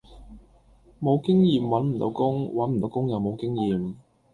無經驗搵唔到工，搵唔到工又無經驗